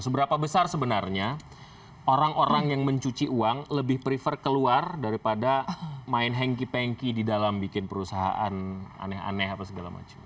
seberapa besar sebenarnya orang orang yang mencuci uang lebih prefer keluar daripada main hengki pengki di dalam bikin perusahaan aneh aneh apa segala macam